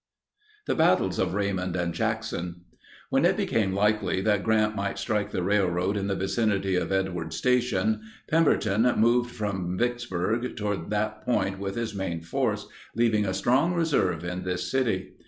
THE BATTLES OF RAYMOND AND JACKSON. When it became likely that Grant might strike the railroad in the vicinity of Edwards Station, Pemberton moved from Vicksburg toward that point with his main force, leaving a strong reserve in this city.